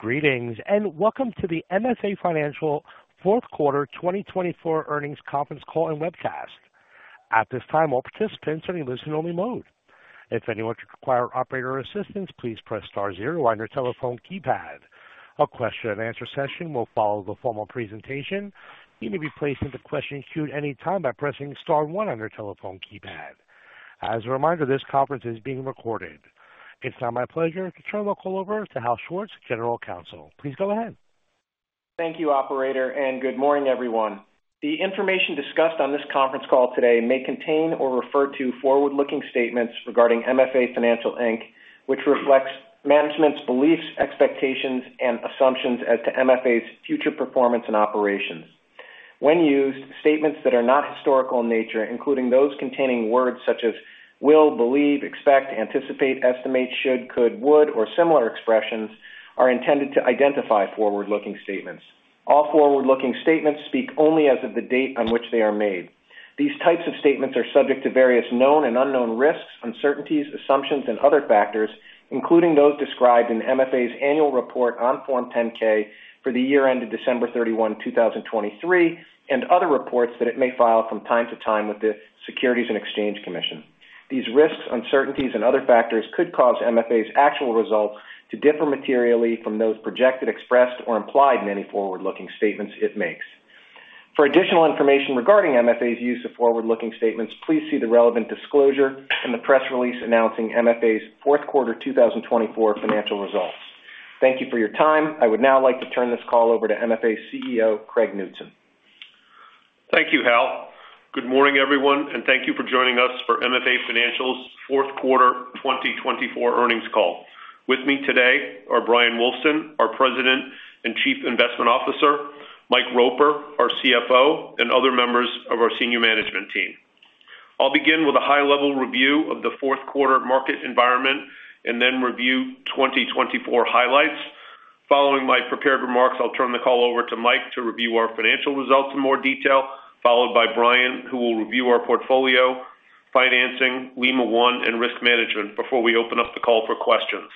Greetings and welcome to the MFA Financial Fourth Quarter 2024 Earnings Conference Call and Webcast. At this time, all participants are in listen-only mode. If anyone should require operator assistance, please press star zero on your telephone keypad. A question-and-answer session will follow the formal presentation. You may be placed into question queue at any time by pressing star one on your telephone keypad. As a reminder, this conference is being recorded. It's now my pleasure to turn the call over to Hal Schwartz, General Counsel. Please go ahead. Thank you, Operator, and good morning, everyone. The information discussed on this conference call today may contain or refer to forward-looking statements regarding MFA Financial, Inc., which reflects management's beliefs, expectations, and assumptions as to MFA's future performance and operations. When used, statements that are not historical in nature, including those containing words such as will, believe, expect, anticipate, estimate, should, could, would, or similar expressions, are intended to identify forward-looking statements. All forward-looking statements speak only as of the date on which they are made. These types of statements are subject to various known and unknown risks, uncertainties, assumptions, and other factors, including those described in MFA's annual report on Form 10-K for the year ended December 31, 2023, and other reports that it may file from time to time with the Securities and Exchange Commission. These risks, uncertainties, and other factors could cause MFA's actual results to differ materially from those projected, expressed, or implied in any forward-looking statements it makes. For additional information regarding MFA's use of forward-looking statements, please see the relevant disclosure in the press release announcing MFA's Fourth Quarter 2024 financial results. Thank you for your time. I would now like to turn this call over to MFA CEO Craig Knutson. Thank you, Hal. Good morning, everyone, and thank you for joining us for MFA Financial's Fourth Quarter 2024 earnings call. With me today are Bryan Wulfsohn, our President and Chief Investment Officer, Mike Roper, our CFO, and other members of our senior management team. I'll begin with a high-level review of the fourth quarter market environment and then review 2024 highlights. Following my prepared remarks, I'll turn the call over to Mike to review our financial results in more detail, followed by Bryan, who will review our portfolio, financing, Lima One, and risk management before we open up the call for questions.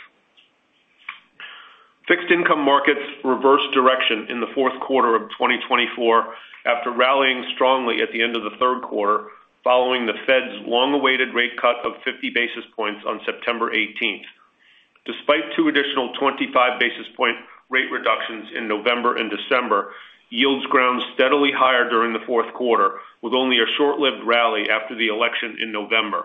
Fixed income markets reversed direction in the fourth quarter of 2024 after rallying strongly at the end of the third quarter following the Fed's long-awaited rate cut of 50 basis points on September 18. Despite two additional 25 basis point rate reductions in November and December, yields ground steadily higher during the fourth quarter, with only a short-lived rally after the election in November.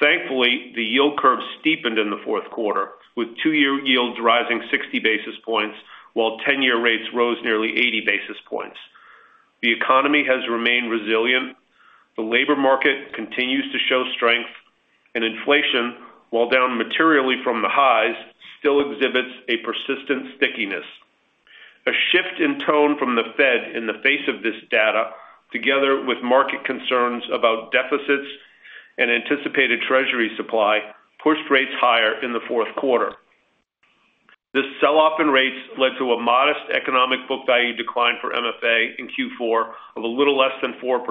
Thankfully, the yield curve steepened in the fourth quarter, with two-year yields rising 60 basis points while ten-year rates rose nearly 80 basis points. The economy has remained resilient. The labor market continues to show strength, and inflation, while down materially from the highs, still exhibits a persistent stickiness. A shift in tone from the Fed in the face of this data, together with market concerns about deficits and anticipated Treasury supply, pushed rates higher in the fourth quarter. This sell-off in rates led to a modest economic book value decline for MFA in Q4 of a little less than 4%.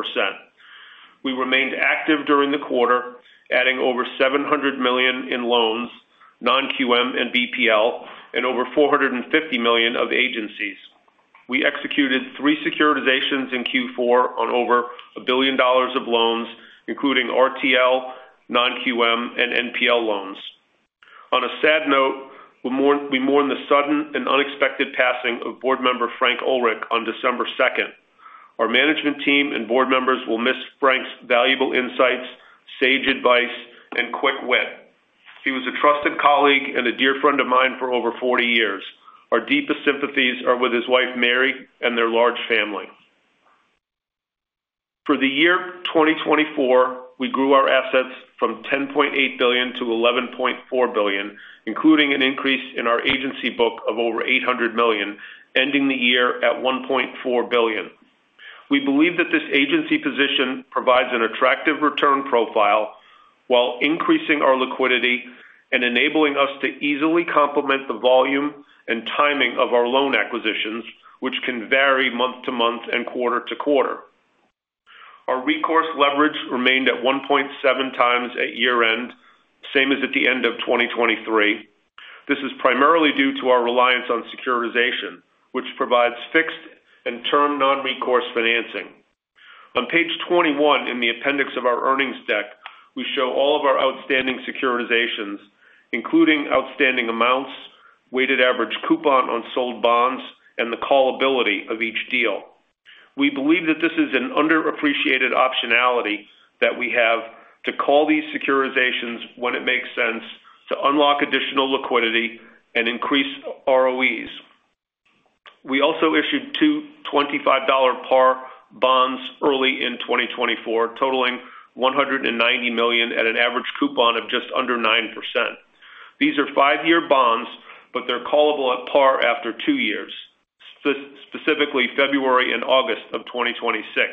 We remained active during the quarter, adding over $700 million in loans, non-QM and BPL, and over $450 million of agencies. We executed three securitizations in Q4 on over $1 billion of loans, including RTL, non-QM, and NPL loans. On a sad note, we mourn the sudden and unexpected passing of board member Frank Ulrich on December 2. Our management team and board members will miss Frank's valuable insights, sage advice, and quick wit. He was a trusted colleague and a dear friend of mine for over 40 years. Our deepest sympathies are with his wife, Mary, and their large family. For the year 2024, we grew our assets from $10.8 billion to $11.4 billion, including an increase in our agency book of over $800 million, ending the year at $1.4 billion. We believe that this agency position provides an attractive return profile while increasing our liquidity and enabling us to easily complement the volume and timing of our loan acquisitions, which can vary month to month and quarter to quarter. Our recourse leverage remained at 1.7 times at year-end, same as at the end of 2023. This is primarily due to our reliance on securitization, which provides fixed and term non-recourse financing. On page 21 in the appendix of our earnings deck, we show all of our outstanding securitizations, including outstanding amounts, weighted average coupon on sold bonds, and the callability of each deal. We believe that this is an underappreciated optionality that we have to call these securitizations when it makes sense to unlock additional liquidity and increase ROEs. We also issued two $25 par bonds early in 2024, totaling $190 million at an average coupon of just under 9%. These are five-year bonds, but they're callable at par after two years, specifically February and August of 2026.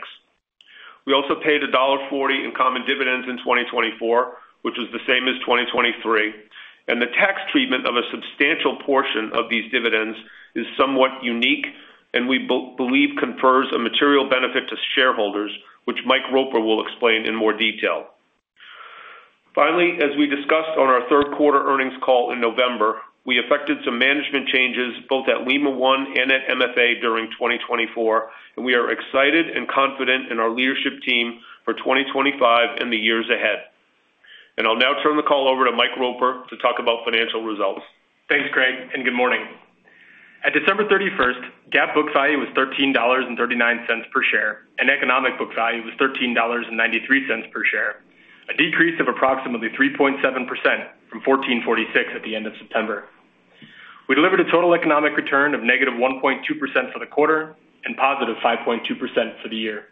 We also paid $1.40 in common dividends in 2024, which was the same as 2023, and the tax treatment of a substantial portion of these dividends is somewhat unique and we believe confers a material benefit to shareholders, which Mike Roper will explain in more detail. Finally, as we discussed on our third quarter earnings call in November, we effected some management changes both at Lima One and at MFA during 2024, and we are excited and confident in our leadership team for 2025 and the years ahead. And I'll now turn the call over to Mike Roper to talk about financial results. Thanks, Craig, and good morning. At December 31, GAAP book value was $13.39 per share, and economic book value was $13.93 per share, a decrease of approximately 3.7% from $14.46 at the end of September. We delivered a total economic return of negative 1.2% for the quarter and positive 5.2% for the year.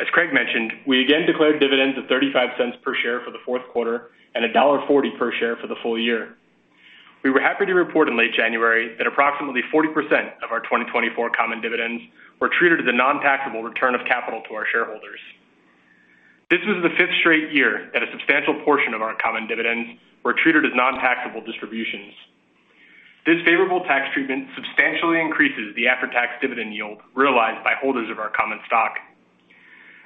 As Craig mentioned, we again declared dividends of $0.35 per share for the fourth quarter and $1.40 per share for the full year. We were happy to report in late January that approximately 40% of our 2024 common dividends were treated as a non-taxable return of capital to our shareholders. This was the fifth straight year that a substantial portion of our common dividends were treated as non-taxable distributions. This favorable tax treatment substantially increases the after-tax dividend yield realized by holders of our common stock.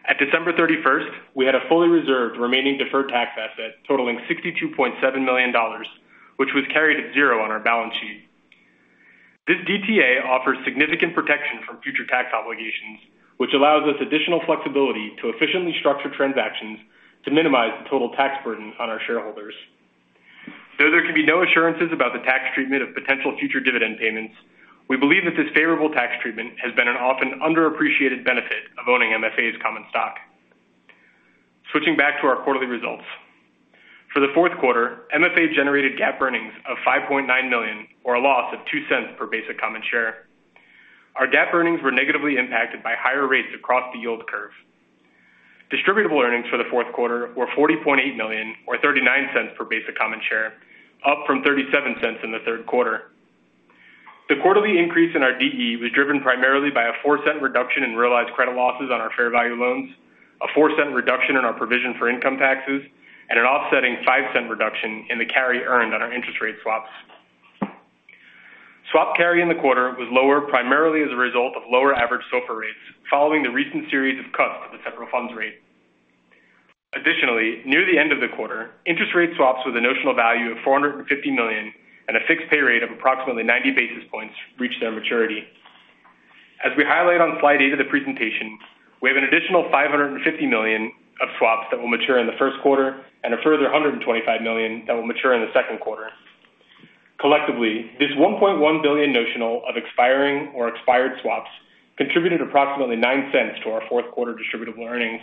At December 31, we had a fully reserved remaining deferred tax asset totaling $62.7 million, which was carried at zero on our balance sheet. This DTA offers significant protection from future tax obligations, which allows us additional flexibility to efficiently structure transactions to minimize the total tax burden on our shareholders. Though there can be no assurances about the tax treatment of potential future dividend payments, we believe that this favorable tax treatment has been an often underappreciated benefit of owning MFA's common stock. Switching back to our quarterly results. For the fourth quarter, MFA generated GAAP earnings of $5.9 million, or a loss of $0.02 per basic common share. Our GAAP earnings were negatively impacted by higher rates across the yield curve. Distributable earnings for the fourth quarter were $40.8 million, or $0.39 per basic common share, up from $0.37 in the third quarter. The quarterly increase in our DE was driven primarily by a $0.04 reduction in realized credit losses on our fair value loans, a $0.04 reduction in our provision for income taxes, and an offsetting $0.05 reduction in the carry earned on our interest rate swaps. Swap carry in the quarter was lower primarily as a result of lower average SOFR rates following the recent series of cuts to the federal funds rate. Additionally, near the end of the quarter, interest rate swaps with a notional value of $450 million and a fixed pay rate of approximately 90 basis points reached their maturity. As we highlight on slide eight of the presentation, we have an additional $550 million of swaps that will mature in the first quarter and a further $125 million that will mature in the second quarter. Collectively, this $1.1 billion notional of expiring or expired swaps contributed approximately $0.09 to our fourth quarter distributable earnings.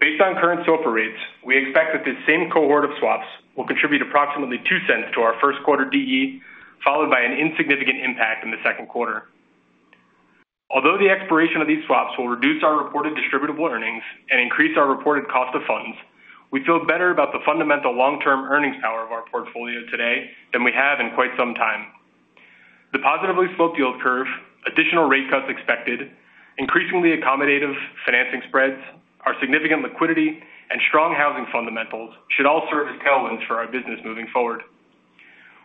Based on current SOFR rates, we expect that this same cohort of swaps will contribute approximately $0.02 to our first quarter DE, followed by an insignificant impact in the second quarter. Although the expiration of these swaps will reduce our reported distributable earnings and increase our reported cost of funds, we feel better about the fundamental long-term earnings power of our portfolio today than we have in quite some time. The positively sloped yield curve, additional rate cuts expected, increasingly accommodative financing spreads, our significant liquidity, and strong housing fundamentals should all serve as tailwinds for our business moving forward.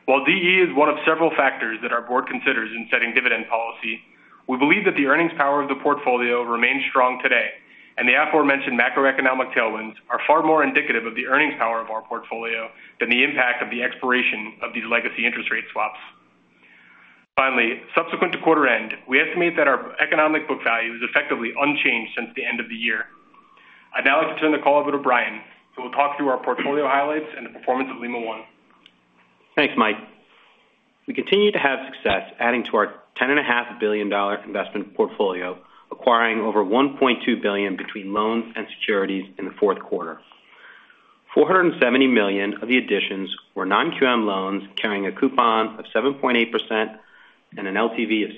While DE is one of several factors that our board considers in setting dividend policy, we believe that the earnings power of the portfolio remains strong today, and the aforementioned macroeconomic tailwinds are far more indicative of the earnings power of our portfolio than the impact of the expiration of these legacy interest rate swaps. Finally, subsequent to quarter end, we estimate that our economic book value is effectively unchanged since the end of the year. I'd now like to turn the call over to Bryan, who will talk through our portfolio highlights and the performance of Lima One. Thanks, Mike. We continue to have success adding to our $10.5 billion investment portfolio, acquiring over $1.2 billion between loans and securities in the fourth quarter. $470 million of the additions were non-QM loans carrying a coupon of 7.8% and an LTV of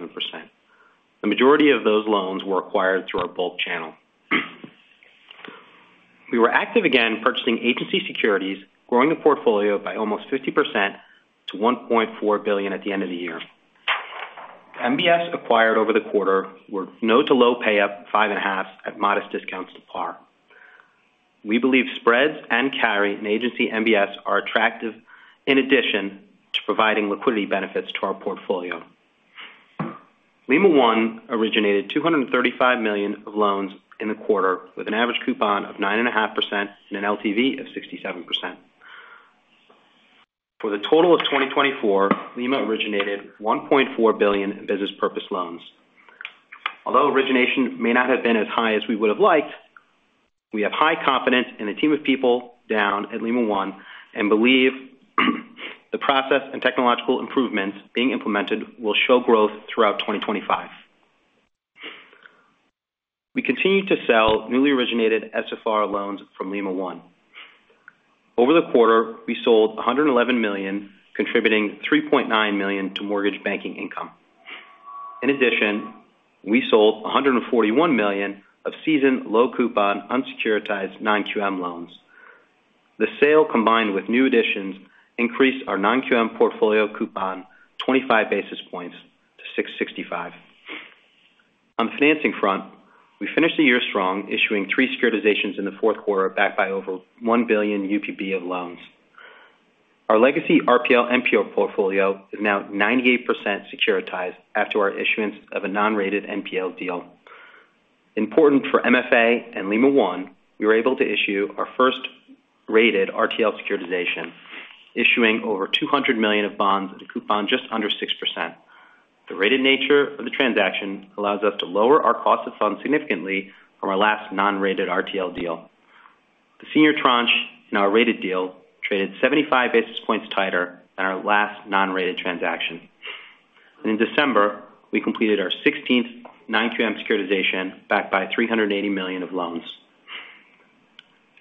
67%. The majority of those loans were acquired through our bulk channel. We were active again purchasing agency securities, growing the portfolio by almost 50% to $1.4 billion at the end of the year. MBS acquired over the quarter were not too low payout 5.5% at modest discounts to par. We believe spreads and carry in agency MBS are attractive in addition to providing liquidity benefits to our portfolio. Lima One originated $235 million of loans in the quarter with an average coupon of 9.5% and an LTV of 67%. For the total of 2024, Lima originated $1.4 billion in business purpose loans. Although origination may not have been as high as we would have liked, we have high confidence in the team of people down at Lima One and believe the process and technological improvements being implemented will show growth throughout 2025. We continue to sell newly originated SFR loans from Lima One. Over the quarter, we sold $111 million, contributing $3.9 million to mortgage banking income. In addition, we sold $141 million of seasoned low coupon unsecuritized non-QM loans. The sale combined with new additions increased our non-QM portfolio coupon 25 basis points to $665. On the financing front, we finished the year strong, issuing three securitizations in the fourth quarter backed by over $1 billion UPB of loans. Our legacy RPL/NPL portfolio is now 98% securitized after our issuance of a non-rated NPL deal. Important for MFA and Lima One, we were able to issue our first rated RTL securitization, issuing over $200 million of bonds at a coupon just under 6%. The rated nature of the transaction allows us to lower our cost of funds significantly from our last non-rated RTL deal. The senior tranche in our rated deal traded 75 basis points tighter than our last non-rated transaction, and in December, we completed our 16th non-QM securitization backed by $380 million of loans.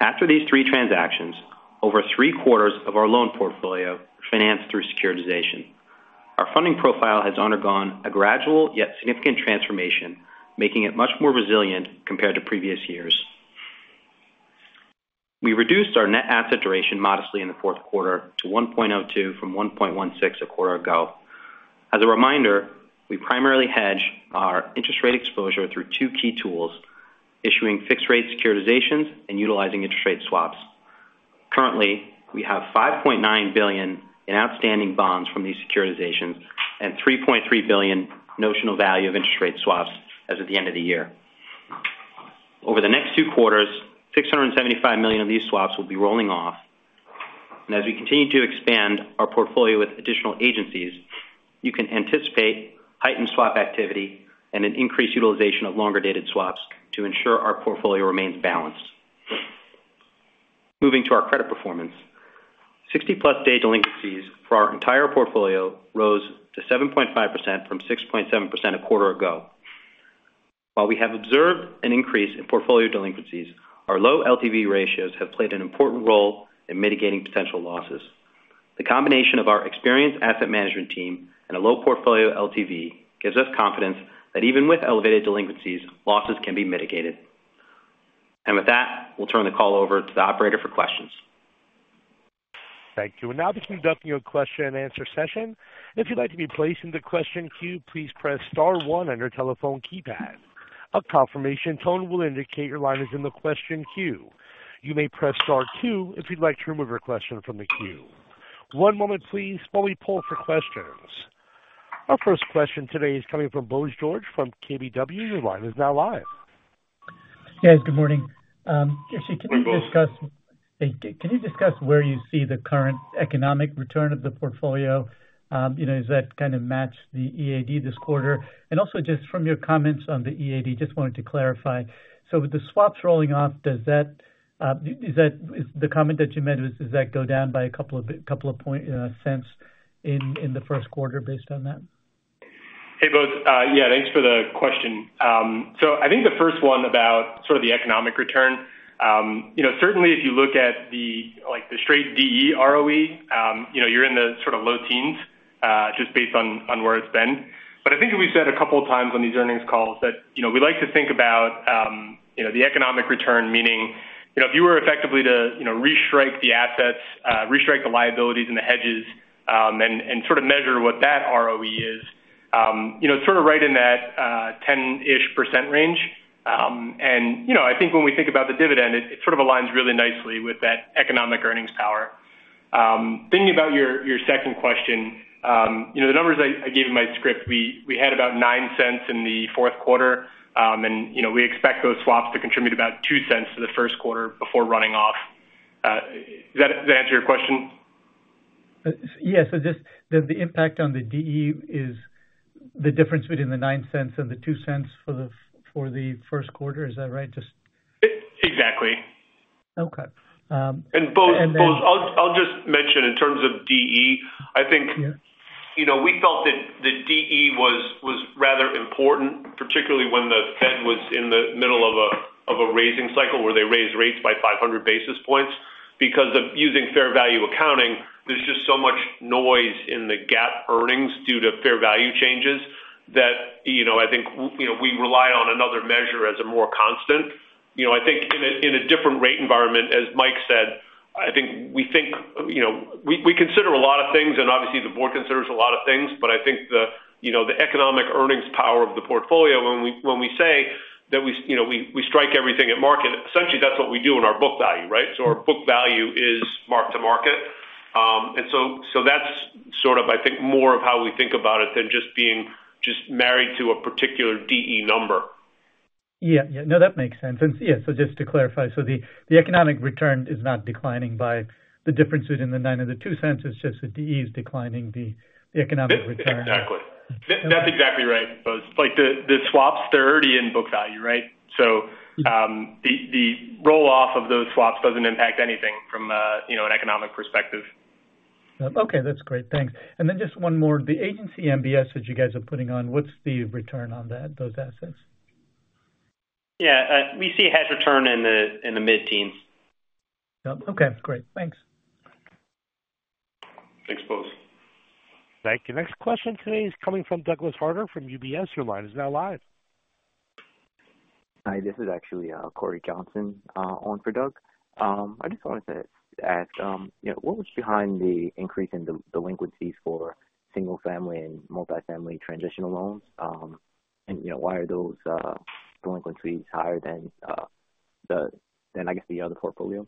After these three transactions, over three quarters of our loan portfolio were financed through securitization. Our funding profile has undergone a gradual yet significant transformation, making it much more resilient compared to previous years. We reduced our net asset duration modestly in the fourth quarter to 1.02 from 1.16 a quarter ago. As a reminder, we primarily hedge our interest rate exposure through two key tools, issuing fixed rate securitizations and utilizing interest rate swaps. Currently, we have $5.9 billion in outstanding bonds from these securitizations and $3.3 billion notional value of interest rate swaps as of the end of the year. Over the next two quarters, $675 million of these swaps will be rolling off, and as we continue to expand our portfolio with additional agencies, you can anticipate heightened swap activity and an increased utilization of longer dated swaps to ensure our portfolio remains balanced. Moving to our credit performance, 60-plus day delinquencies for our entire portfolio rose to 7.5% from 6.7% a quarter ago. While we have observed an increase in portfolio delinquencies, our low LTV ratios have played an important role in mitigating potential losses. The combination of our experienced asset management team and a low portfolio LTV gives us confidence that even with elevated delinquencies, losses can be mitigated. And with that, we'll turn the call over to the operator for questions. Thank you and now to conducting a question and answer session. If you'd like to be placed in the question queue, please press star one on your telephone keypad. A confirmation tone will indicate your line is in the question queue. You may press star two if you'd like to remove your question from the queue. One moment, please. While we pull for questions. Our first question today is coming from Bose George from KBW. Your line is now live. Yes, good morning. Good morning. Can you discuss where you see the current economic return of the portfolio? Does that kind of match the EAD this quarter? And also just from your comments on the EAD, just wanted to clarify. So with the swaps rolling off, does that go down by a couple of points in the first quarter based on that? Hey, both. Yeah, thanks for the question. So I think the first one about sort of the economic return, certainly if you look at the straight DE ROE, you're in the sort of low teens just based on where it's been. But I think we've said a couple of times on these earnings calls that we like to think about the economic return, meaning if you were effectively to restrike the assets, restrike the liabilities and the hedges and sort of measure what that ROE is, sort of right in that 10-ish% range. And I think when we think about the dividend, it sort of aligns really nicely with that economic earnings power. Thinking about your second question, the numbers I gave in my script, we had about $0.09 in the fourth quarter, and we expect those swaps to contribute about $0.02 to the first quarter before running off. Does that answer your question? Yeah. So just the impact on the DE is the difference between the $0.09 and the $0.02 for the first quarter. Is that right? Exactly. Okay. Both, I'll just mention in terms of DE. I think we felt that the DE was rather important, particularly when the Fed was in the middle of a raising cycle where they raised rates by 500 basis points. Because of using fair value accounting, there's just so much noise in the GAAP earnings due to fair value changes that I think we relied on another measure as a more constant. I think in a different rate environment, as Mike said, I think we consider a lot of things, and obviously the board considers a lot of things, but I think the economic earnings power of the portfolio, when we say that we strike everything at market, essentially that's what we do in our book value, right? So our book value is marked to market. That's sort of, I think, more of how we think about it than just being married to a particular DE number. Yeah. Yeah. No, that makes sense. And yeah, so just to clarify, so the economic return is not declining by the differences in the $0.09 and the $0.02, it's just the DE is declining the economic return. Exactly. That's exactly right, both. The swaps, they're already in book value, right? So the roll-off of those swaps doesn't impact anything from an economic perspective. Okay. That's great. Thanks, and then just one more. The Agency MBS that you guys are putting on, what's the return on those assets? Yeah. We see hedge return in the mid-teens. Okay. Great. Thanks. Thanks, Bose. Thank you. Next question today is coming from Douglas Harter from UBS. Your line is now live. Hi. This is actually Corey Johnson on for Doug. I just wanted to ask, what was behind the increase in the delinquencies for single-family and multi-family transitional loans? And why are those delinquencies higher than I guess the other portfolio?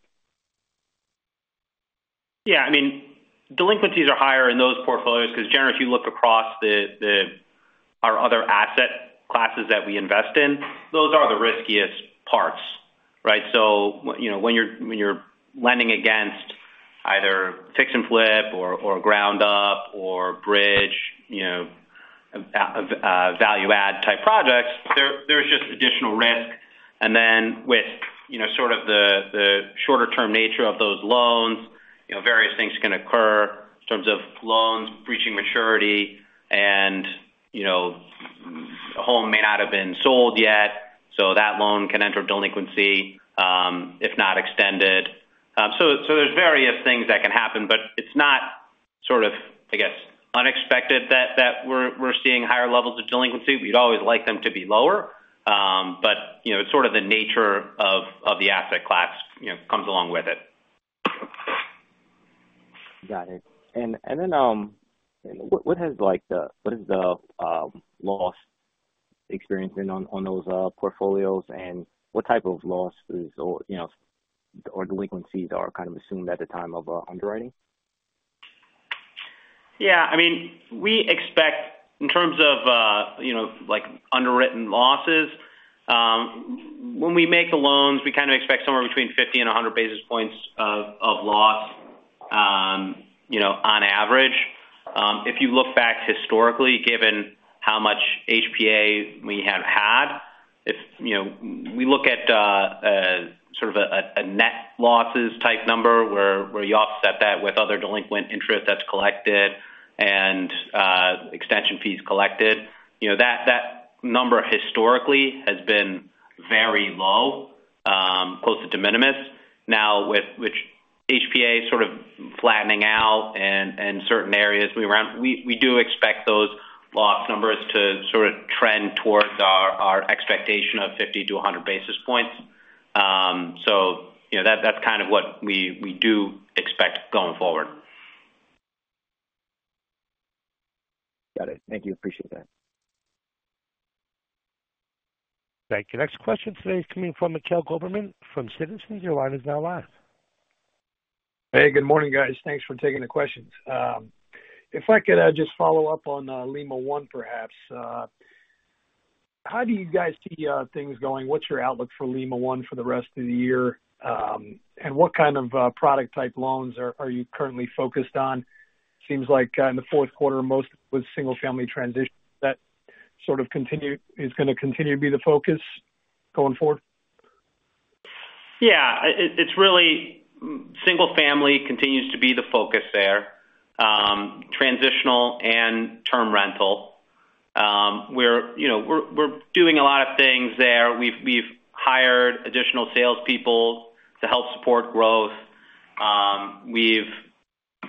Yeah. I mean, delinquencies are higher in those portfolios because generally, if you look across our other asset classes that we invest in, those are the riskiest parts, right? So when you're lending against either fix and flip or ground up or bridge, value-add type projects, there's just additional risk. And then with sort of the shorter-term nature of those loans, various things can occur in terms of loans reaching maturity and a home may not have been sold yet, so that loan can enter delinquency if not extended. So there's various things that can happen, but it's not sort of, I guess, unexpected that we're seeing higher levels of delinquency. We'd always like them to be lower, but it's sort of the nature of the asset class comes along with it. Got it. And then what has the loss experience been on those portfolios and what type of loss or delinquencies are kind of assumed at the time of underwriting? Yeah. I mean, we expect in terms of underwritten losses, when we make the loans, we kind of expect somewhere between 50 and 100 bps of loss on average. If you look back historically, given how much HPA we have had, if we look at sort of a net losses type number where you offset that with other delinquent interest that's collected and extension fees collected, that number historically has been very low, close to de minimis. Now, with HPA sort of flattening out in certain areas, we do expect those loss numbers to sort of trend towards our expectation of 50 to 100 basis points. So that's kind of what we do expect going forward. Got it. Thank you. Appreciate that. Thank you. Next question today is coming from Mikhail Gudmundsson from Citizens. Your line is now live. Hey, good morning, guys. Thanks for taking the questions. If I could just follow up on Lima One, perhaps. How do you guys see things going? What's your outlook for Lima One for the rest of the year? And what kind of product-type loans are you currently focused on? Seems like in the fourth quarter, most of it was single-family transition. Is that sort of continuing to be the focus going forward? Yeah. It's really single-family continues to be the focus there, transitional and term rental. We're doing a lot of things there. We've hired additional salespeople to help support growth. We've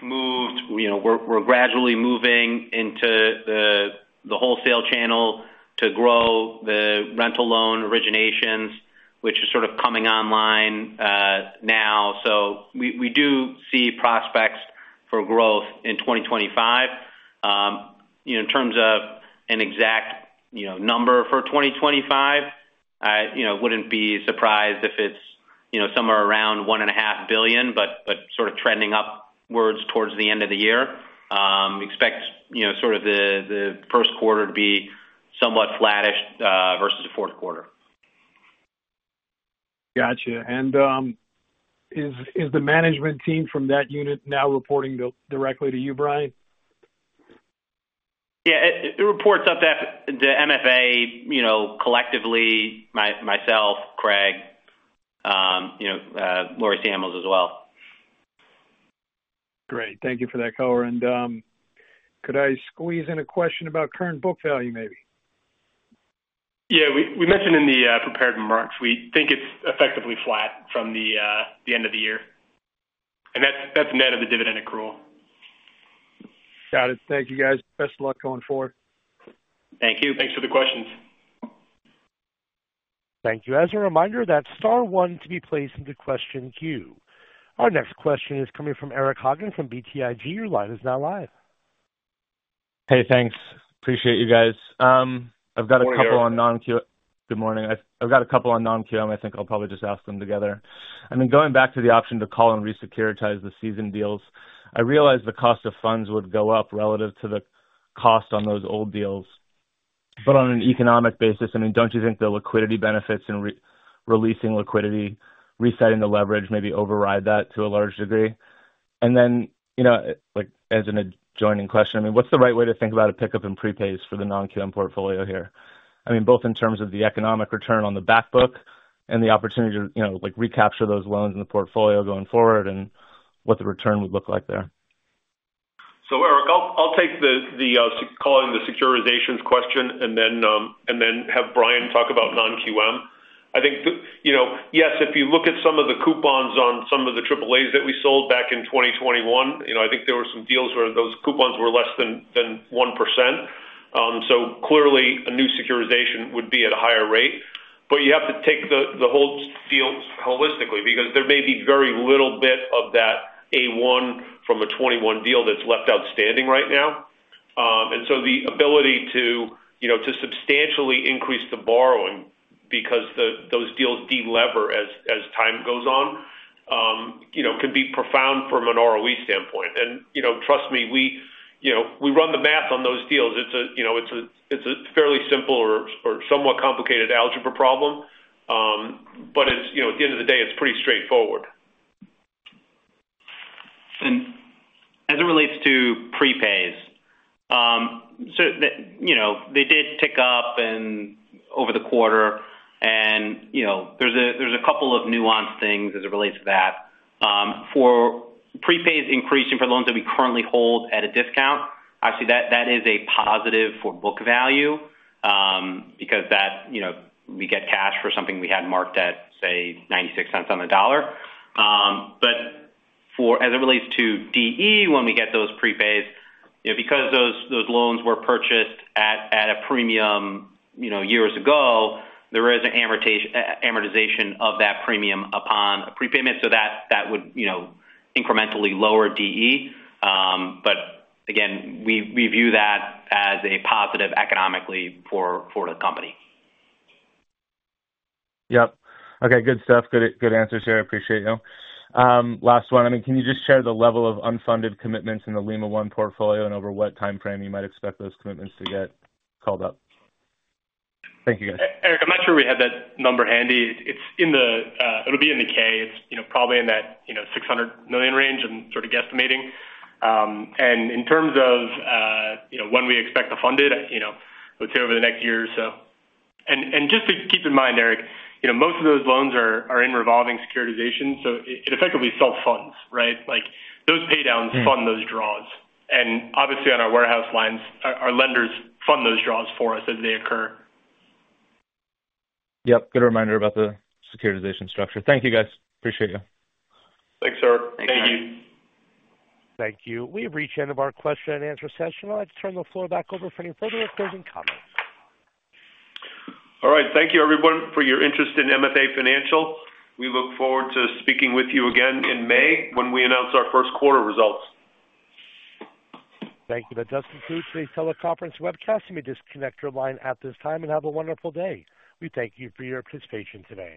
moved. We're gradually moving into the wholesale channel to grow the rental loan originations, which is sort of coming online now. So we do see prospects for growth in 2025. In terms of an exact number for 2025, I wouldn't be surprised if it's somewhere around $1.5 billion, but sort of trending upwards towards the end of the year. We expect sort of the first quarter to be somewhat flattish versus the fourth quarter. Gotcha. And is the management team from that unit now reporting directly to you, Bryan? Yeah. It reports up to MFA collectively, myself, Craig, Laurie Samuels as well. Great. Thank you for that, Cohen. And could I squeeze in a question about current book value, maybe? Yeah. We mentioned in the prepared remarks, we think it's effectively flat from the end of the year. And that's net of the dividend accrual. Got it. Thank you, guys. Best of luck going forward. Thank you. Thanks for the questions. Thank you. As a reminder, that's star one to be placed in the question queue. Our next question is coming from Eric Hagen from BTIG. Your line is now live. Hey, thanks. Appreciate you guys. I've got a couple on non-QM. Good morning. I've got a couple on non-QM. I think I'll probably just ask them together. I mean, going back to the option to call and resecuritize the seasoned deals, I realized the cost of funds would go up relative to the cost on those old deals. But on an economic basis, I mean, don't you think the liquidity benefits and releasing liquidity, resetting the leverage, maybe override that to a large degree? And then as an adjoining question, I mean, what's the right way to think about a pickup in prepays for the non-QM portfolio here? I mean, both in terms of the economic return on the backbook and the opportunity to recapture those loans in the portfolio going forward and what the return would look like there. So, Eric, I'll take the securitizations question and then have Bryan talk about non-QM. I think, yes, if you look at some of the coupons on some of the AAAs that we sold back in 2021, I think there were some deals where those coupons were less than 1%. So clearly, a new securitization would be at a higher rate. But you have to take the whole deal holistically because there may be very little bit of that A1 from a 2021 deal that's left outstanding right now. And so the ability to substantially increase the borrowing because those deals delever as time goes on can be profound from an ROE standpoint. And trust me, we run the math on those deals. It's a fairly simple or somewhat complicated algebra problem, but at the end of the day, it's pretty straightforward. As it relates to prepays, they did tick up over the quarter, and there's a couple of nuanced things as it relates to that. For prepays increasing for loans that we currently hold at a discount, actually, that is a positive for book value because we get cash for something we had marked at, say, $0.96 on the dollar. As it relates to DE, when we get those prepays, because those loans were purchased at a premium years ago, there is an amortization of that premium upon a prepayment, so that would incrementally lower DE. Again, we view that as a positive economically for the company. Yep. Okay. Good stuff. Good answers, sir. Appreciate you. Last one. I mean, can you just share the level of unfunded commitments in the Lima One portfolio and over what timeframe you might expect those commitments to get called up? Thank you, guys. Eric, I'm not sure we have that number handy. It'll be in the K. It's probably in that $600 million range I'm sort of guesstimating. And in terms of when we expect to fund it, I would say over the next year or so. And just to keep in mind, Eric, most of those loans are in revolving securitization, so it effectively self-funds, right? Those paydowns fund those draws. And obviously, on our warehouse lines, our lenders fund those draws for us as they occur. Yep. Good reminder about the securitization structure. Thank you, guys. Appreciate you. Thanks, sir. Thank you. Thank you. We have reached the end of our question and answer session. I'd like to turn the floor back over for any further questions and comments. All right. Thank you, everyone, for your interest in MFA Financial. We look forward to speaking with you again in May when we announce our first quarter results. Thank you. That does conclude today's teleconference webcast. Let me disconnect your line at this time and have a wonderful day. We thank you for your participation today.